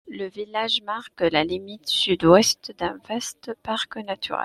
Le village marque la limite Sud-Ouest d'un vaste parc naturel.